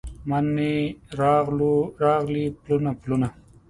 مني راغلي پلونه، پلونه